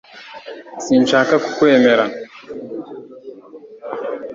Sinshaka kukwemera